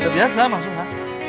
biasa mas suha